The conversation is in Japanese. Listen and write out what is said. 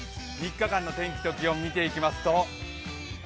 ３日間の天気と気温見ていきます。